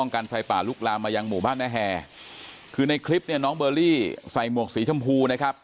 กันไฟป่าลุกลามมายังหมู่บ้านแม่แฮคือในคลิปเนี่ยน้องเบอร์รี่ใส่หมวกสีชมพูนะครับ